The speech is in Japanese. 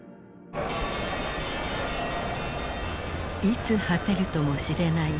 いつ果てるともしれない